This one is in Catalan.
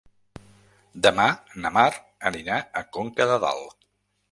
Demà na Mar anirà a Conca de Dalt.